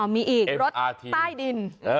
มีอีกรถใต้ดิน